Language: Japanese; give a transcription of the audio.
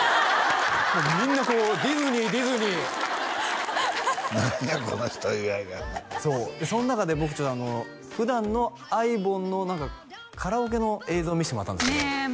もうみんなこうディズニーディズニー何やこの人その中で僕ちょっと普段のあいぼんのカラオケの映像を見せてもらったんですけどねえ